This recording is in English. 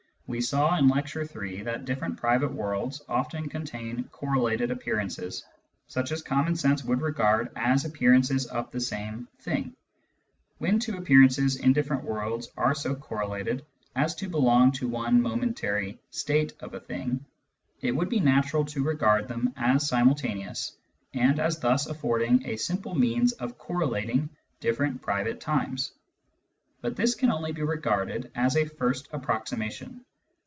We saw, in Lecture III., that diflFerent private worlds often contain correlated appear ances, such as common sense would regard as appearances of the same " thing/' When two appearances in diflFerent Digitized by Google 122 SCIENTIFIC METHOD IN PHILOSOPHY worlds are so correlated as to belong to one momentary " state " of a thing, it would be natural to regard them as simultaneous, and as thus affording a simple means of correlating different private times. But this can only be regarded as a first approximation.